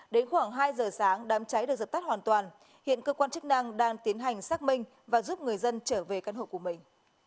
đến khoảng hai giờ sáng đám cháy được dập tắt hoàn toàn hiện cơ quan chức năng đang tiến hành xác minh và giúp người dân trở về căn hộ của mình